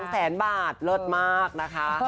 ๒แสนบาทเลิศมากนะคะ